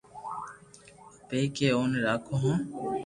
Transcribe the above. ڀآٺڪ مي اوني راکو ھون